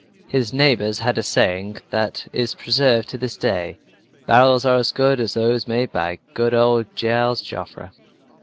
His neighbors had a saying that is preserved to this day: "Barrels as good as those made by old Gilles Joffre."